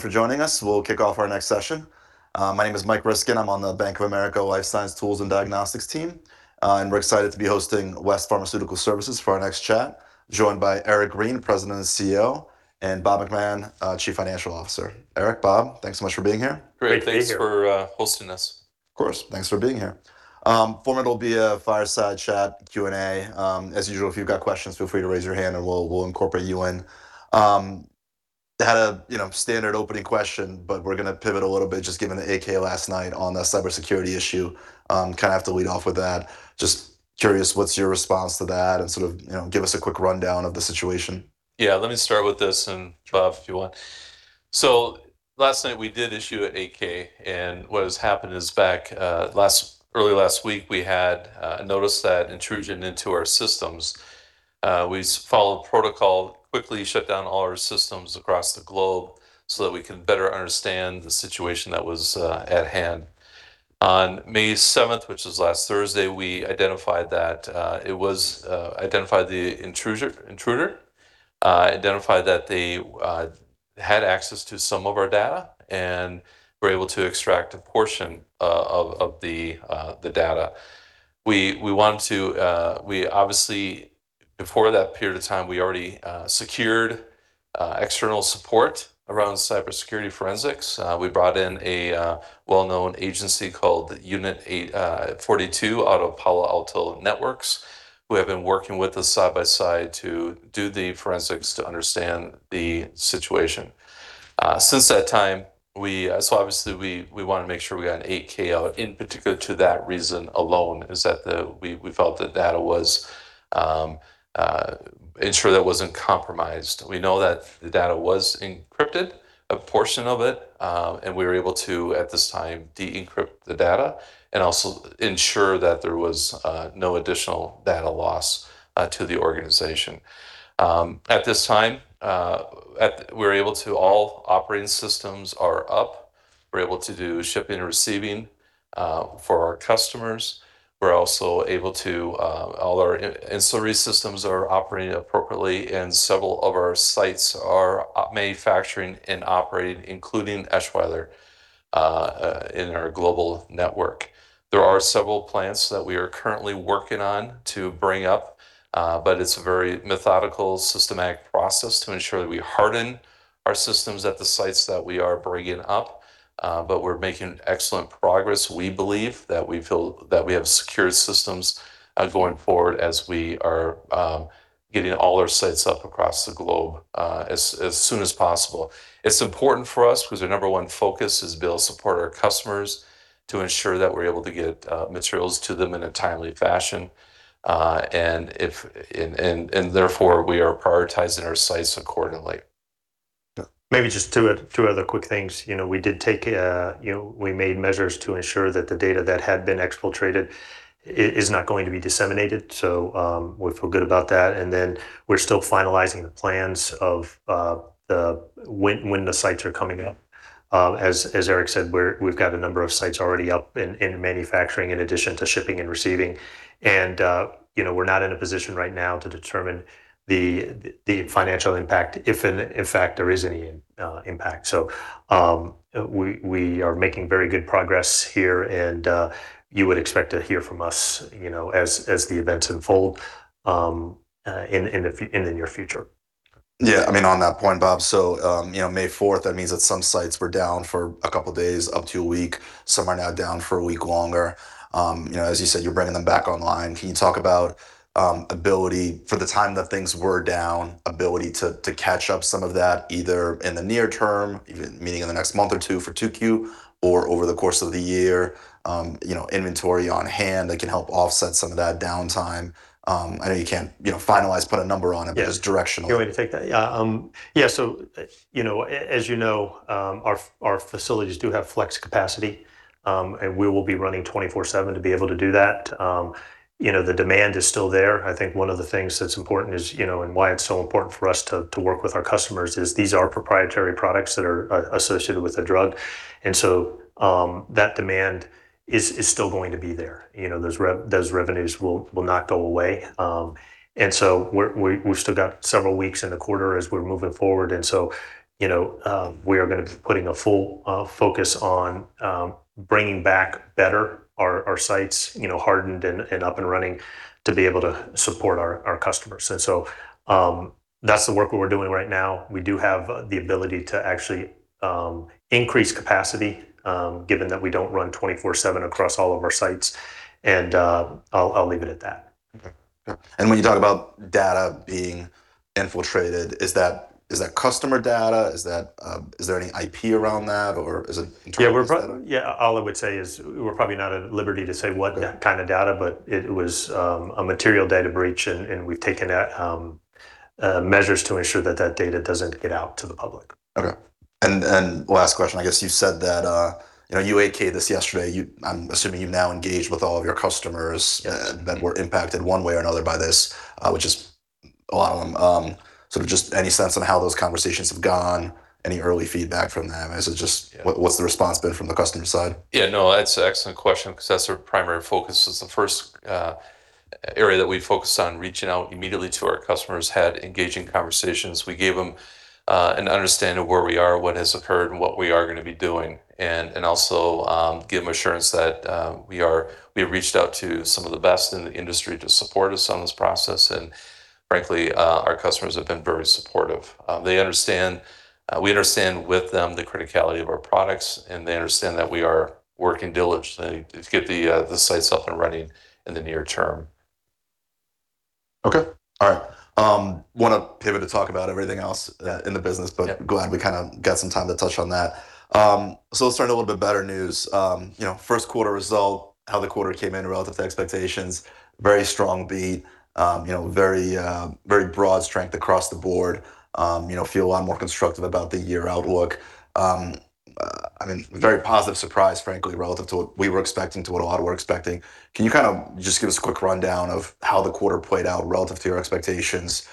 Thank you for joining us. We'll kick off our next session. My name is Michael Ryskin. I'm on the Bank of America Life Science Tools and Diagnostics team. We're excited to be hosting West Pharmaceutical Services for our next chat, joined by Eric Green, President and CEO, and Bob McMahon, Chief Financial Officer. Eric, Bob, thanks so much for being here. Great to be here. Great. Thanks for hosting us. Of course. Thanks for being here. Format will be a fireside chat Q&A. As usual, if you've got questions, feel free to raise your hand and we'll incorporate you in. Had a, you know, standard opening question. We're going to pivot a little bit just given the 8-K last night on the cybersecurity issue, kind of have to lead off with that. Just curious, what's your response to that, and sort of, you know, give us a quick rundown of the situation. Yeah, let me start with this, and Bob, if you want. Last night we did issue an 8-K, and what has happened is back, last, early last week we had a notice that intrusion into our systems. We followed protocol, quickly shut down all our systems across the globe so that we can better understand the situation that was at hand. On May 7th, which was last Thursday, we identified that it was identified the intruder, identified that they had access to some of our data and were able to extract a portion of the data. We want to, we obviously, before that period of time, we already secured external support around cybersecurity forensics. We brought in a well-known agency called Unit 42 out of Palo Alto Networks, who have been working with us side by side to do the forensics to understand the situation. Since that time, we, so obviously we want to make sure we got an 8-K out in particular to that reason alone is that we felt the data was ensure that it wasn't compromised. We know that the data was encrypted, a portion of it, and we were able to, at this time, de-encrypt the data and also ensure that there was no additional data loss to the organization. At this time, we're able to, all operating systems are up. We're able to do shipping and receiving for our customers. We're also able to, all our in-service systems are operating appropriately and several of our sites are manufacturing and operating, including Eschweiler, in our global network. There are several plants that we are currently working on to bring up, but it's a very methodical, systematic process to ensure that we harden our systems at the sites that we are bringing up. We're making excellent progress. We believe that we feel that we have secure systems going forward as we are getting all our sites up across the globe as soon as possible. It's important for us because our number one focus is to be able to support our customers to ensure that we're able to get materials to them in a timely fashion. Therefore we are prioritizing our sites accordingly. Maybe just two other quick things. You know, we did take, you know, we made measures to ensure that the data that had been exfiltrated is not going to be disseminated. We feel good about that. We're still finalizing the plans of when the sites are coming up. As Eric said, we've got a number of sites already up and manufacturing in addition to shipping and receiving. You know, we're not in a position right now to determine the financial impact if in fact there is any impact. We are making very good progress here and you would expect to hear from us, you know, as the events unfold in the near future. Yeah, I mean, on that point, Bob, you know, May 4th, that means that some sites were down for a couple days up to a week. Some are now down for a week longer. You know, as you said, you're bringing them back online. Can you talk about ability for the time that things were down, ability to catch up some of that either in the near term, even meaning in the next month or two for 2Q, or over the course of the year, you know, inventory on hand that can help offset some of that downtime? I know you can't, you know, finalize, put a number on it, just directional. Yeah. You want me to take that? As you know, our facilities do have flex capacity, we will be running 24/7 to be able to do that. The demand is still there. I think one of the things that's important is why it's so important for us to work with our customers is these are proprietary products that are associated with a drug. That demand is still going to be there. Those revenues will not go away. We've still got several weeks in the quarter as we're moving forward. You know, we are going to be putting a full focus on bringing back better our sites, you know, hardened and up and running to be able to support our customers. That's the work that we're doing right now. We do have the ability to actually increase capacity, given that we don't run 24/7 across all of our sites and I'll leave it at that. Okay. When you talk about data being infiltrated, is that customer data? Is there any IP around that, or is it internal system? All I would say is we're probably not at liberty to say what kind of data, but it was a material data breach and we've taken measures to ensure that that data doesn't get out to the public. Okay. Last question, I guess you said that, you know, you 8-K'd this yesterday. You, I'm assuming you've now engaged with all of your customers that were impacted one way or another by this, which is a lot of them. Sort of just any sense on how those conversations have gone? Any early feedback from them? Yeah What's the response been from the customer side? Yeah, no, that's an excellent question because that's our primary focus is the first area that we focus on reaching out immediately to our customers had engaging conversations. We gave them an understanding of where we are, what has occurred, and what we are going to be doing, and also give them assurance that we have reached out to some of the best in the industry to support us on this process, and frankly, our customers have been very supportive. They understand, we understand with them the criticality of our products, and they understand that we are working diligently to get the sites up and running in the near term. Okay. All right. I want to pivot to talk about everything else in the business. Yep Glad we kind of got some time to touch on that. Let's start a little bit better news. You know, first quarter result, how the quarter came in relative to expectations, very strong beat. You know, very broad strength across the board. You know, feel a lot more constructive about the year outlook. I mean, very positive surprise, frankly, relative to what we were expecting, to what a lot were expecting. Can you kind of just give us a quick rundown of how the quarter played out relative to your expectations?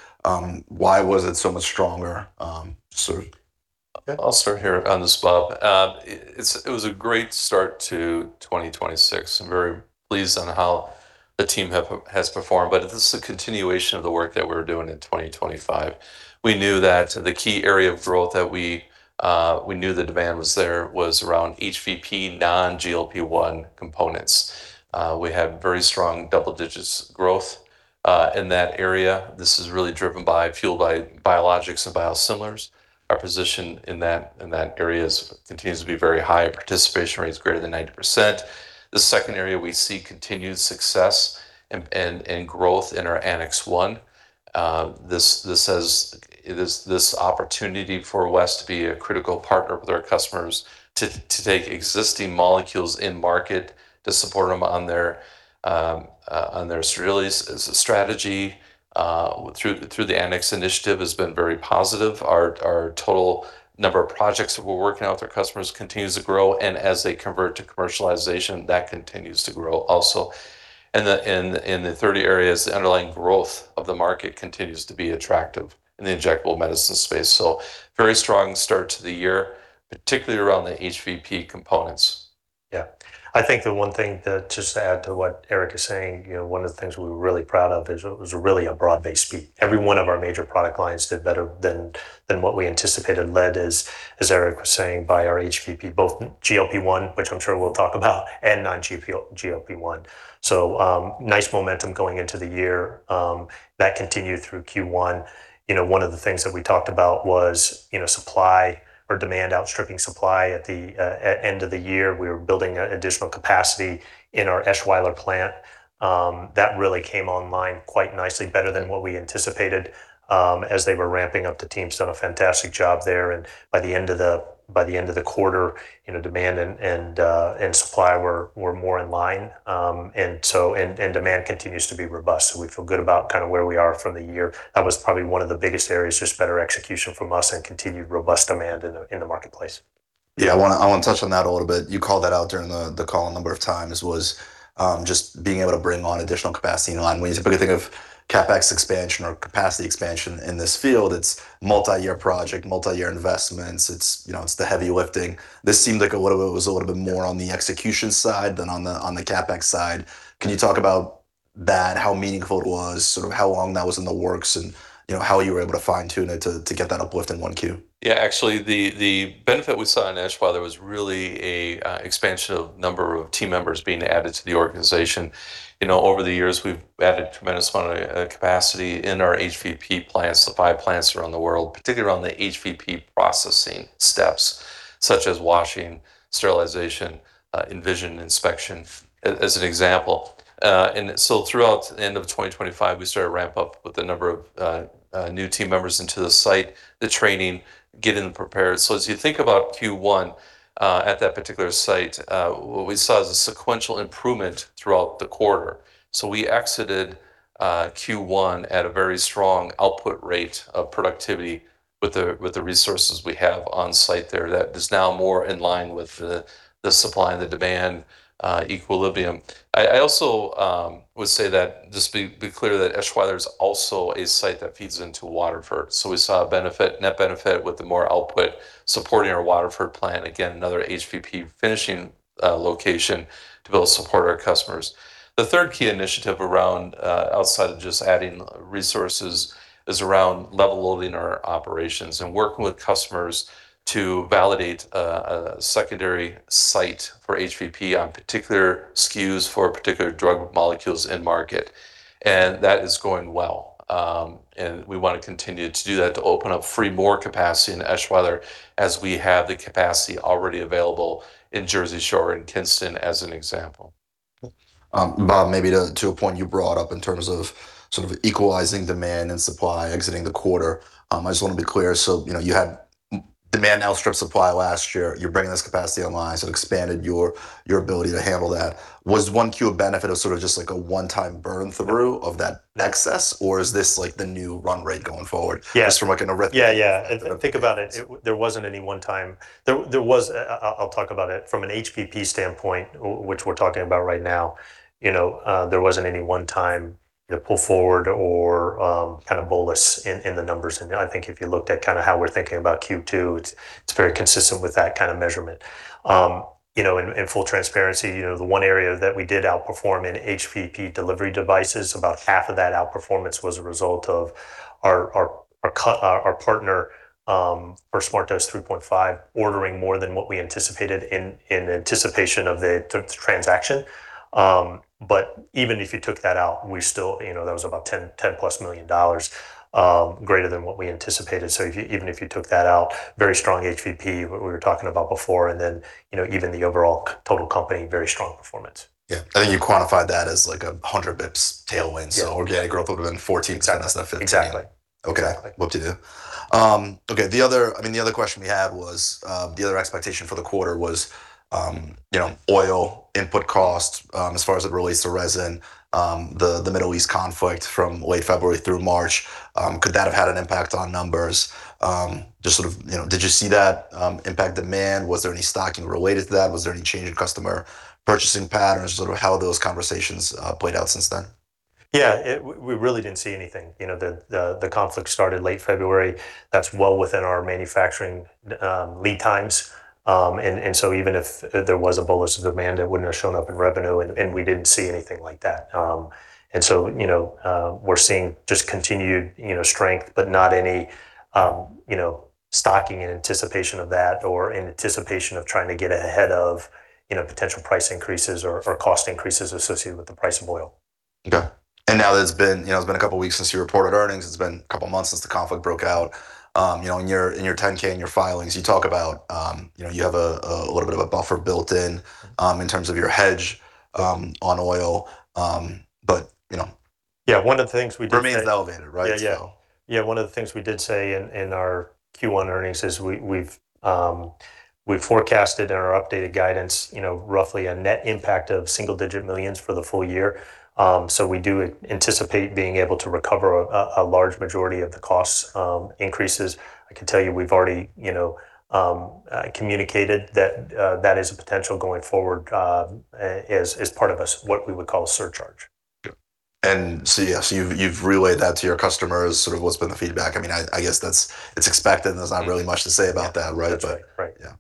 Why was it so much stronger? I'll start here on the spot. It was a great start to 2026. I'm very pleased on how the team has performed, but this is a continuation of the work that we were doing in 2025. We knew that the key area of growth that we knew the demand was there was around HVP non-GLP-1 components. We had very strong double-digits growth in that area. This is really driven by, fueled by biologics and biosimilars. Our position in that area is continues to be very high. Participation rate is greater than 90%. The second area we see continued success and growth in our Annex 1. This opportunity for West to be a critical partner with our customers to take existing molecules in market to support them on their sterilization strategy through the Annex initiative has been very positive. Our total number of projects that we're working on with our customers continues to grow, and as they convert to commercialization, that continues to grow also. In the 30 areas, the underlying growth of the market continues to be attractive in the injectable medicine space. Very strong start to the year, particularly around the HVP components. Yeah. I think the one thing that just to add to what Eric is saying, you know, one of the things we were really proud of is it was really a broad-based beat. Every one of our major product lines did better than what we anticipated. Led is, as Eric was saying, by our HVP, both GLP-1, which I'm sure we'll talk about, and non-GLP-1. Nice momentum going into the year that continued through Q1. You know, one of the things that we talked about was, you know, supply or demand outstripping supply at the end of the year. We were building additional capacity in our Eschweiler plant that really came online quite nicely, better than what we anticipated. As they were ramping up, the team's done a fantastic job there. By the end of the quarter, you know, demand and supply were more in line. Demand continues to be robust. We feel good about kind of where we are for the year. That was probably one of the biggest areas, just better execution from us and continued robust demand in the marketplace. I want to touch on that a little bit. You called that out during the call a number of times was, just being able to bring on additional capacity online. When you specifically think of CapEx expansion or capacity expansion in this field, it's multi-year project, multi-year investments. You know, it's the heavy lifting. This seemed like a little bit, it was a little bit more on the execution side than on the, on the CapEx side. Can you talk about that, how meaningful it was, sort of how long that was in the works and, you know, how you were able to fine-tune it to get that uplift in 1Q? Yeah. Actually, the benefit we saw in Eschweiler was really a expansion of number of team members being added to the organization. You know, over the years, we've added tremendous amount of capacity in our HVP plants, the 5 plants around the world, particularly around the HVP processing steps, such as washing, sterilization, vision inspection, as an example. Throughout the end of 2025, we started to ramp up with the number of new team members into the site, the training, getting prepared. As you think about Q1, at that particular site, what we saw is a sequential improvement throughout the quarter. We exited Q1 at a very strong output rate of productivity with the resources we have on site there that is now more in line with the supply and the demand equilibrium. I also would say that just be clear that Eschweiler is also a site that feeds into Waterford. We saw a benefit, net benefit with the more output supporting our Waterford plant. Again, another HVP finishing location to be able to support our customers. The third key initiative around outside of just adding resources is around level loading our operations and working with customers to validate a secondary site for HVP on particular SKUs for particular drug molecules in market. That is going well. We want to continue to do that to open up free more capacity in Eschweiler as we have the capacity already available in Jersey Shore, in Kinston as an example. Bob, maybe to a point you brought up in terms of sort of equalizing demand and supply exiting the quarter. I just want to be clear. You know, you had demand outstrip supply last year. You're bringing this capacity online, so it expanded your ability to handle that. Was 1Q a benefit of sort of just like a one-time burn through of that excess, or is this like the new run rate going forward? Yeah. Just from like an arithmetic. Yeah. If you think about it, there wasn't any one time I'll talk about it from an HVP standpoint, which we're talking about right now. You know, there wasn't any one time, you know, pull forward or kind of bolus in the numbers. I think if you looked at kind of how we're thinking about Q2, it's very consistent with that kind of measurement. You know, in full transparency, you know, the one area that we did outperform in HVP delivery devices, about half of that outperformance was a result of our partner for SmartDose 3.5 ordering more than what we anticipated in anticipation of the transaction. Even if you took that out, we still, you know, that was about $10 plus million greater than what we anticipated. Even if you took that out, very strong HVP, what we were talking about before, you know, even the overall total company, very strong performance. Yeah. I think you quantified that as, like, 100 basis points tailwind. Yeah. Organic growth would've been 14%. Exactly. That's now 15. Exactly. Okay. Exactly. Whoop-de-doo. Okay, the other, I mean, the other question we had was the other expectation for the quarter was, you know, oil input costs as far as it relates to resin, the Middle East conflict from late February through March, could that have had an impact on numbers? Just sort of, you know, did you see that impact demand? Was there any stocking related to that? Was there any change in customer purchasing patterns? Sort of how have those conversations played out since then? We really didn't see anything. You know, the conflict started late February. That's well within our manufacturing lead times. Even if there was a bolus of demand, it wouldn't have shown up in revenue, and we didn't see anything like that. You know, we're seeing just continued, you know, strength, but not any, you know, stocking in anticipation of that or in anticipation of trying to get ahead of, you know, potential price increases or cost increases associated with the price of oil. Okay. Now that it's been, you know, it's been a couple weeks since you reported earnings, it's been a couple months since the conflict broke out, you know, in your 10-K, in your filings, you talk about, you know, you have a little bit of a buffer built in terms of your hedge, on oil. Yeah. For me, it's elevated, right? Yeah, one of the things we did say in our Q1 earnings is we've forecasted in our updated guidance, you know, roughly a net impact of single-digit millions for the full year. We do anticipate being able to recover a large majority of the cost increases. I can tell you we've already, you know, communicated that is a potential going forward as part of what we would call a surcharge. Yeah. Yes, you've relayed that to your customers, sort of what's been the feedback? I mean, I guess it's expected. There's not really much to say about that, right? Yeah. That's right. Right. Yeah.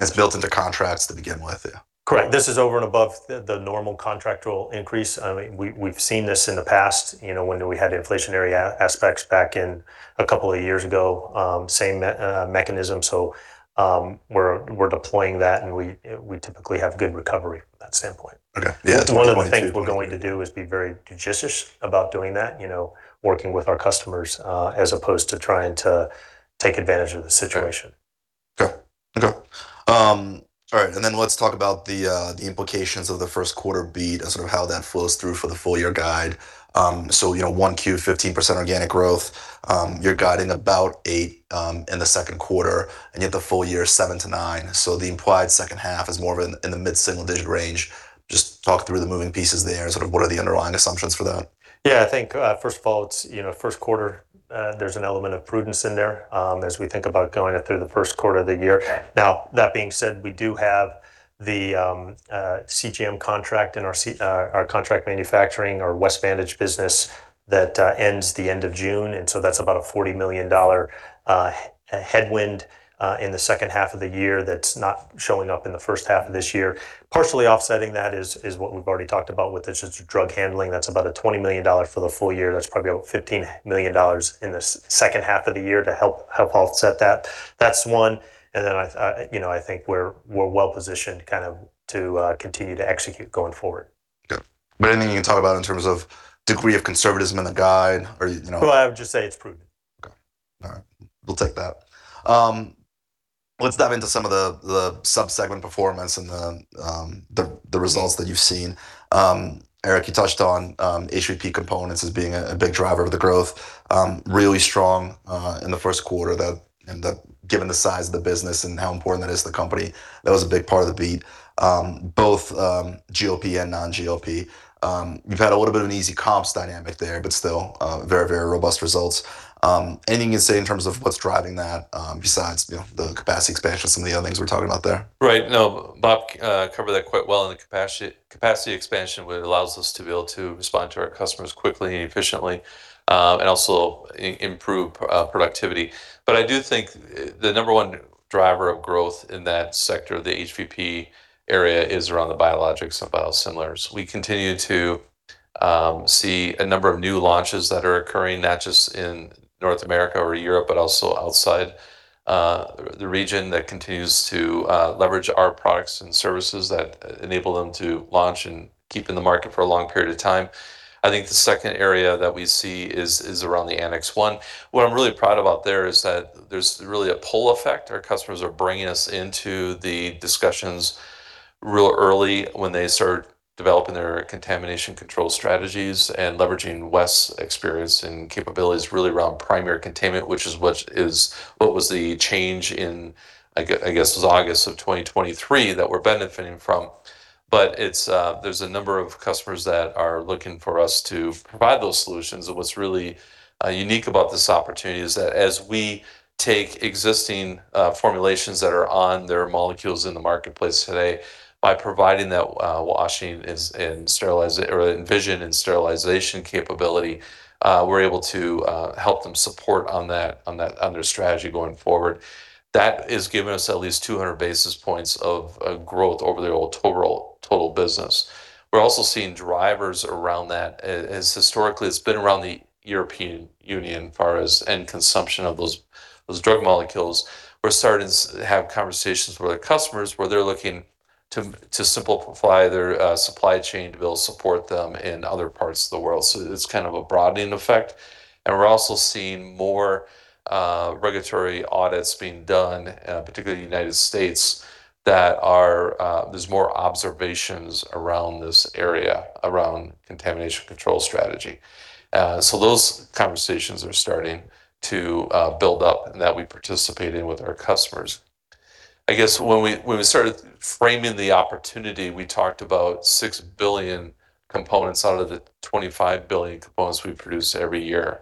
It's built into contracts to begin with, yeah. Correct. This is over and above the normal contractual increase. I mean, we've seen this in the past, you know, when we had inflationary aspects back in a couple of years ago, same mechanism. We're deploying that and we typically have good recovery from that standpoint. Okay. Yeah, talking about Q3. That's one of the things we're going to do, is be very judicious about doing that, you know, working with our customers, as opposed to trying to take advantage of the situation. Okay. All right, let's talk about the implications of the first quarter beat and sort of how that flows through for the full year guide. You know, 1Q 15% organic growth. You're guiding about 8% in the second quarter, and you have the full year 7%-9%. The implied second half is more of in the mid-single digit range. Just talk through the moving pieces there and sort of what are the underlying assumptions for that. I think, first of all, first quarter, there's an element of prudence in there, as we think about going through the first quarter of the year. Okay. That being said, we do have the CGM contract in our contract manufacturing, our West Vantage business that ends the end of June, that's about a $40 million headwind in the second half of the year that's not showing up in the first half of this year. Partially offsetting that is what we've already talked about with the sort of drug handling. That's about a $20 million for the full year. That's probably about $15 million in the second half of the year to help offset that. That's one, you know, I think we're well-positioned kind of to continue to execute going forward. Yeah. Anything you can talk about in terms of degree of conservatism in the guide, or you know? No, I would just say it's prudent. Okay, all right. We'll take that. Let's dive into some of the sub-segment performance and the results that you've seen. Eric, you touched on HVP components as being a big driver of the growth. Really strong in the first quarter. Given the size of the business and how important that is to the company, that was a big part of the beat. Both GLP and non-GLP. You've had a little bit of an easy comps dynamic there, but still, very robust results. Anything you can say in terms of what's driving that, besides, you know, the capacity expansion and some of the other things we're talking about there? Right. No, Bob covered that quite well, and the capacity expansion really allows us to be able to respond to our customers quickly and efficiently, and also improve productivity. I do think the number 1 driver of growth in that sector, the HVP area, is around the biologics and biosimilars. We continue to see a number of new launches that are occurring, not just in North America or Europe, but also outside the region that continues to leverage our products and services that enable them to launch and keep in the market for a long period of time. I think the second area that we see is around the Annex 1. What I'm really proud about there is that there's really a pull effect. Our customers are bringing us into the discussions real early when they start developing their contamination control strategies and leveraging West's experience and capabilities really around primary containment, which is what was the change in, I guess it was August of 2023 that we're benefiting from. It's, there's a number of customers that are looking for us to provide those solutions, and what's really unique about this opportunity is that as we take existing formulations that are on their molecules in the marketplace today, by providing that washing and vision and sterilization capability, we're able to help them support on their strategy going forward. That has given us at least 200 basis points of growth over the old total business. We're also seeing drivers around that as historically it's been around the European Union far as end consumption of those drug molecules. We're starting to have conversations with our customers where they're looking to simplify their supply chain to be able to support them in other parts of the world. It's kind of a broadening effect, and we're also seeing more regulatory audits being done, particularly in the U.S., there's more observations around this area, around contamination control strategy. Those conversations are starting to build up and that we participate in with our customers. I guess when we, when we started framing the opportunity, we talked about 6 billion components out of the 25 billion components we produce every year.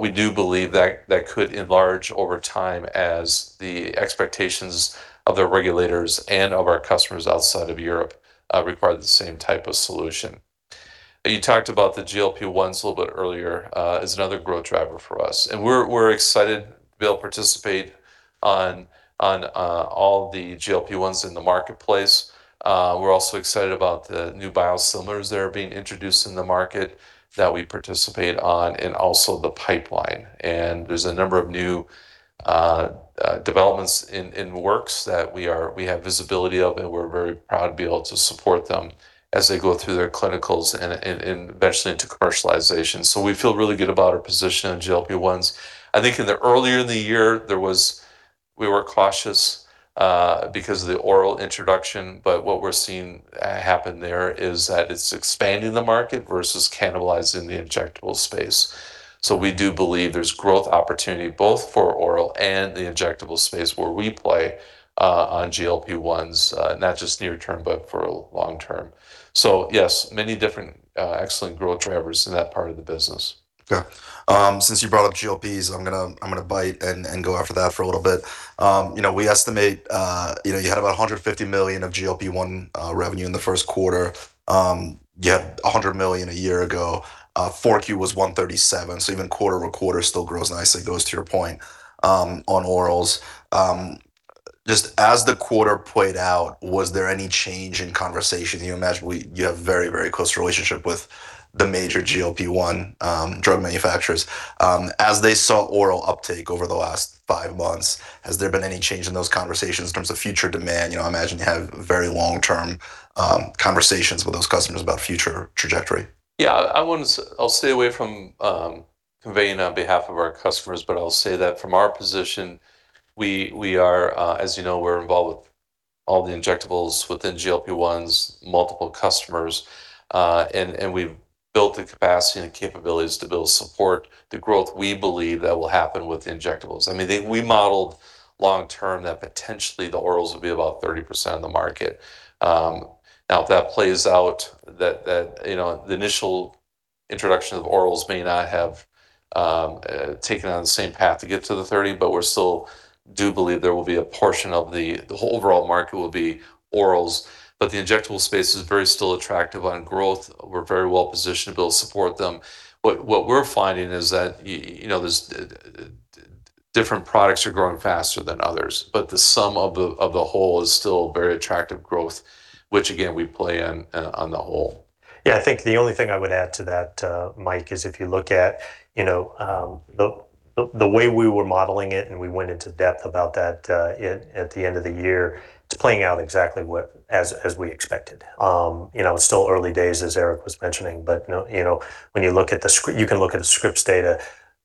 We do believe that that could enlarge over time as the expectations of the regulators and of our customers outside of Europe require the same type of solution. You talked about the GLP-1s a little bit earlier as another growth driver for us, and we're excited to be able to participate on all the GLP-1s in the marketplace. We're also excited about the new biosimilars that are being introduced in the market that we participate on and also the pipeline, and there's a number of new developments in the works that we have visibility of, and we're very proud to be able to support them as they go through their clinicals and eventually into commercialization. We feel really good about our position on GLP-1s. I think in the earlier in the year, we were cautious because of the oral introduction, but what we're seeing happen there is that it's expanding the market versus cannibalizing the injectable space. We do believe there's growth opportunity both for oral and the injectable space where we play on GLP-1s, not just near term, but for long term. Yes, many different excellent growth drivers in that part of the business. Okay. Since you brought up GLP-1s, I'm going to bite and go after that for a little bit. You know, we estimate, you know, you had about $150 million of GLP-1 revenue in the first quarter. You had $100 million a year ago. 4Q was $137 million, even quarter-over-quarter still grows nicely. Goes to your point on orals. Just as the quarter played out, was there any change in conversation? You imagine you have very close relationship with the major GLP-1 drug manufacturers. As they saw oral uptake over the last five months, has there been any change in those conversations in terms of future demand? You know, I imagine you have very long-term conversations with those customers about future trajectory. Yeah. I wouldn't I'll stay away from conveying on behalf of our customers, but I'll say that from our position, as you know, we're involved with all the injectables within GLP-1s, multiple customers, and we've built the capacity and capabilities to build support the growth we believe that will happen with injectables. I mean, we modeled long term that potentially the orals would be about 30% of the market. Now, if that plays out, that, you know, the initial introduction of orals may not have taken on the same path to get to the 30, but we still do believe there will be a portion of the overall market will be orals. The injectable space is very still attractive on growth. We're very well-positioned to be able to support them. What we're finding is that you know, different products are growing faster than others, but the sum of the whole is still very attractive growth, which again, we play on the whole. Yeah, I think the only thing I would add to that, Michael Ryskin, is if you look at, you know, the way we were modeling it and we went into depth about that at the end of the year, it's playing out exactly as we expected. You know, it's still early days as Eric was mentioning, but, you know, when you look at the scripts data,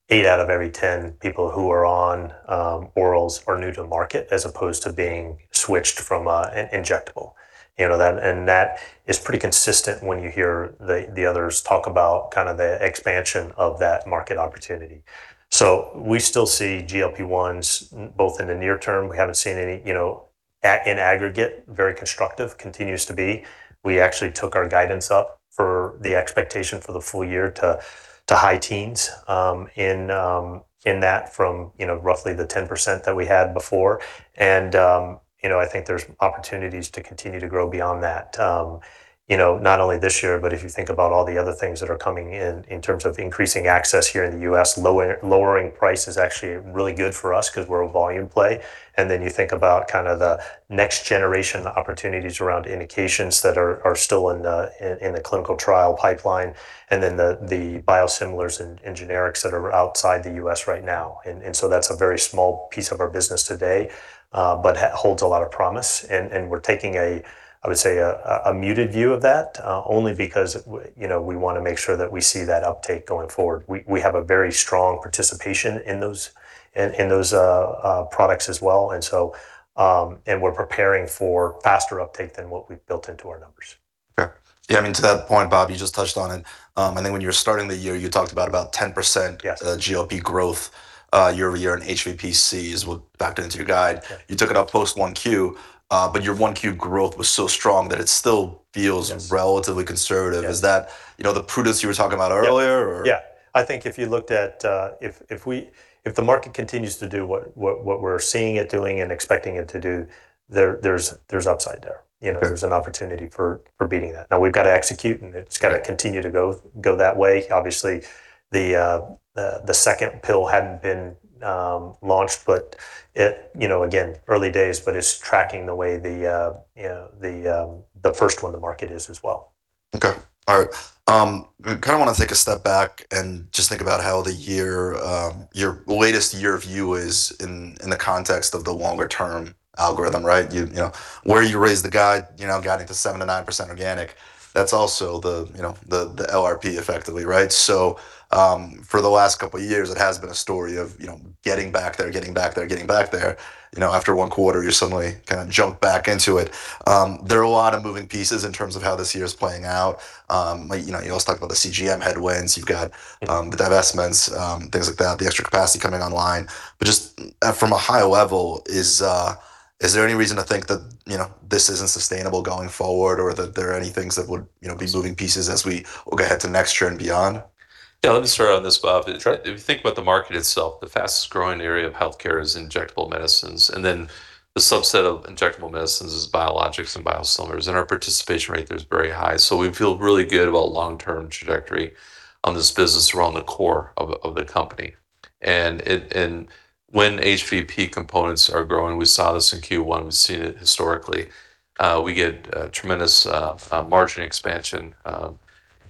eight out of every 10 people who are on orals are new to the market as opposed to being switched from an injectable. You know, that is pretty consistent when you hear the others talk about kind of the expansion of that market opportunity. We still see GLP-1s both in the near term, we haven't seen any, you know, in aggregate, very constructive, continues to be. We actually took our guidance up for the expectation for the full year to high teens, in that from, you know, roughly the 10% that we had before. I think there's opportunities to continue to grow beyond that, you know, not only this year, but if you think about all the other things that are coming in terms of increasing access here in the U.S., lowering price is actually really good for us because we're a volume play. You think about kind of the next generation opportunities around indications that are still in the clinical trial pipeline, and the biosimilars and generics that are outside the U.S. right now. That's a very small piece of our business today, but holds a lot of promise, and we're taking, I would say, a muted view of that, only because you know, we want to make sure that we see that uptake going forward. We have a very strong participation in those products as well. We're preparing for faster uptake than what we've built into our numbers. Okay. Yeah, I mean, to that point, Bob, you just touched on it. I think when you were starting the year, you talked about 10%. Yes GLP growth, year over year, and HVPC is what backed into your guide. Yeah. You took it up post 1Q, but your 1Q growth was so strong that it still feels relatively conservative. Yes. Is that, you know, the prudence you were talking about earlier or? Yeah. Yeah. I think if you looked at, if the market continues to do what we're seeing it doing and expecting it to do, there's upside there. You know. Okay There's an opportunity for beating that. We've got to execute and it's got to continue to go that way. The second pill hadn't been launched, but it, you know, again, early days, but it's tracking the way, you know, the first one in the market is as well. Okay, all right. Kind of want to take a step back and just think about how the year, your latest year view is in the context of the longer term algorithm, right? You know, where you raised the guide, you know, guiding to 7%-9% organic, that's also, you know, the LRP effectively, right? For the last couple years, it has been a story of, you know, getting back there, getting back there, getting back there. You know, after one quarter, you suddenly kind of jump back into it. There are a lot of moving pieces in terms of how this year's playing out. Like, you know, you always talk about the CGM headwinds. the divestments, things like that, the extra capacity coming online. Just from a high level, is there any reason to think that, you know, this isn't sustainable going forward, or that there are any things that would, you know, be moving pieces as we head to next year and beyond? Yeah, let me start on this, Bob. If you think about the market itself, the fastest growing area of healthcare is injectable medicines, and then the subset of injectable medicines is biologics and biosimilars, and our participation rate there is very high. We feel really good about long-term trajectory on this business around the core of the company. When HVP components are growing, we saw this in Q1, we've seen it historically, we get tremendous margin expansion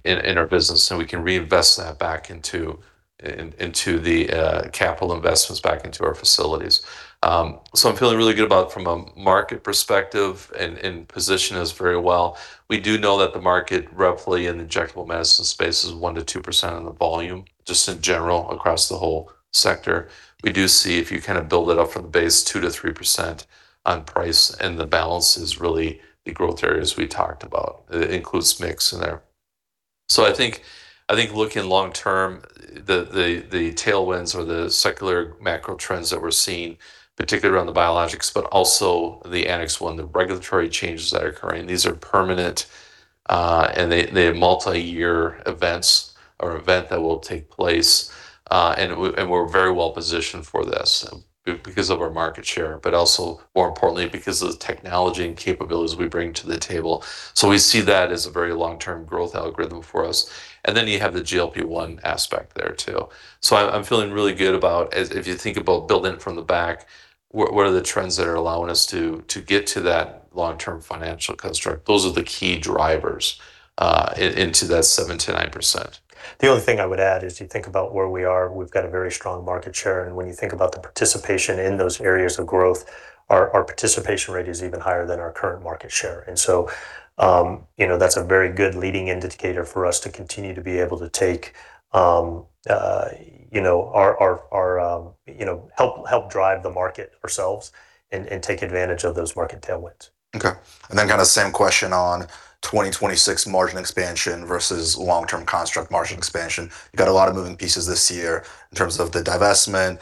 in our business, and we can reinvest that back into capital investments back into our facilities. I'm feeling really good about from a market perspective and position us very well. We do know that the market roughly in the injectable medicine space is 1%-2% on the volume, just in general across the whole sector. We do see, if you kind of build it up from the base, 2%-3% on price, and the balance is really the growth areas we talked about. It includes mix in there. I think looking long term, the tailwinds or the secular macro trends that we're seeing, particularly around the biologics, but also the Annex 1, the regulatory changes that are occurring, these are permanent, and they're multi-year events or event that will take place, and we're very well positioned for this because of our market share, but also more importantly because of the technology and capabilities we bring to the table. We see that as a very long-term growth algorithm for us. You have the GLP-1 aspect there, too. I'm feeling really good about as if you think about building from the back, what are the trends that are allowing us to get to that long-term financial construct? Those are the key drivers into that 7%-9%. The only thing I would add is you think about where we are, we've got a very strong market share, and when you think about the participation in those areas of growth, our participation rate is even higher than our current market share. You know, that's a very good leading indicator for us to continue to be able to take, you know, our, you know, help drive the market ourselves and take advantage of those market tailwinds. Okay. Kind of same question on 2026 margin expansion versus long-term construct margin expansion. You've got a lot of moving pieces this year in terms of the divestment,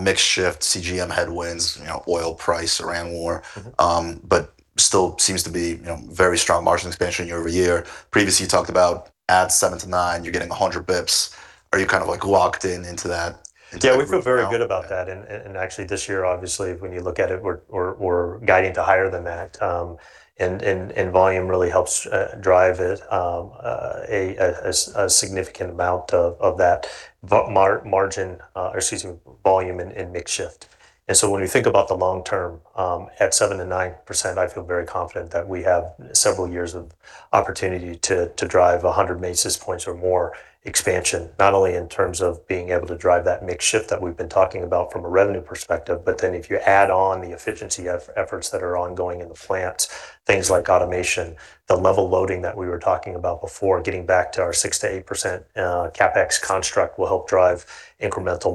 mix shift, CGM headwinds, you know, oil price, Iran war. Still seems to be, you know, very strong margin expansion year over year. Previously, you talked about add 7%-9%, you're getting 100 basis points. Are you kind of like locked in into that? Yeah, we feel very good about that. Actually this year, obviously when you look at it, we're guiding to higher than that. Volume really helps drive it, a significant amount of that volume and mix shift. When we think about the long term, at 7%-9%, I feel very confident that we have several years of opportunity to drive 100 basis points or more expansion, not only in terms of being able to drive that mix shift that we've been talking about from a revenue perspective, if you add on the efficiency efforts that are ongoing in the plant, things like automation, the level loading that we were talking about before, getting back to our 6%-8% CapEx construct will help drive incremental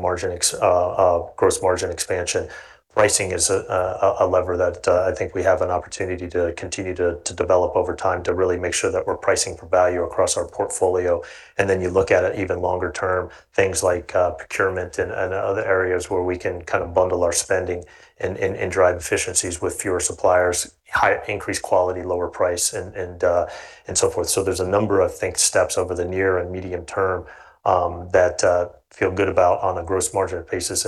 gross margin expansion. Pricing is a lever that I think we have an opportunity to continue to develop over time to really make sure that we're pricing for value across our portfolio. Then you look at it even longer term, things like procurement and other areas where we can kind of bundle our spending and drive efficiencies with fewer suppliers, high increased quality, lower price and so forth. There's a number of steps over the near and medium term that feel good about on a gross margin basis.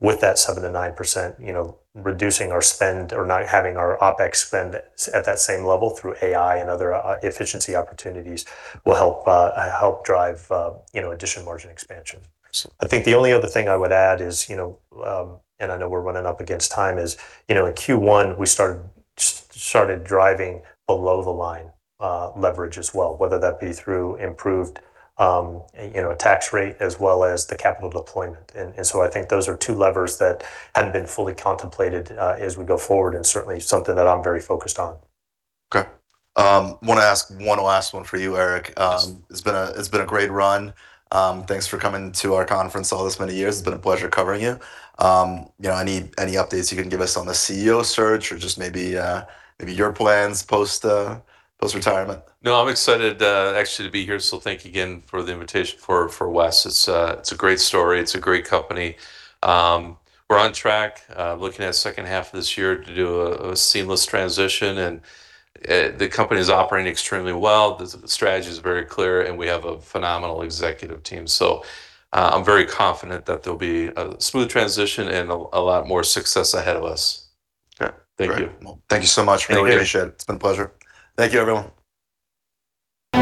With that 7%-9%, you know, reducing our spend or not having our OpEx spend at that same level through AI and other efficiency opportunities will help drive, you know, additional margin expansion. Awesome. I think the only other thing I would add is, you know, and I know we're running up against time, is, you know, in Q1, we started driving below the line leverage as well, whether that be through improved, you know, tax rate as well as the capital deployment. I think those are two levers that hadn't been fully contemplated as we go forward, and certainly something that I'm very focused on. Okay. Want to ask one last one for you, Eric. Yes. It's been a great run. Thanks for coming to our conference all this many years. It's been a pleasure covering you. You know, any updates you can give us on the CEO search or just maybe your plans post post-retirement? No, I'm excited actually to be here, so thank you again for the invitation for West. It's, it's a great story. It's a great company. We're on track, looking at second half of this year to do a seamless transition, and the company's operating extremely well. The strategy is very clear, and we have a phenomenal executive team. I'm very confident that there'll be a smooth transition and a lot more success ahead of us. Okay, great. Thank you. Well, thank you so much for your leadership. Thank you. It's been a pleasure. Thank you, everyone.